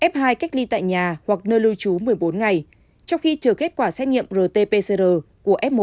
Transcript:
f hai cách ly tại nhà hoặc nơi lưu trú một mươi bốn ngày trong khi chờ kết quả xét nghiệm rt pcr của f một